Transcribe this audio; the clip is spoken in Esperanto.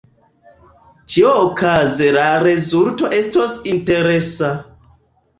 Ĉiaokaze la rezulto estos interesa.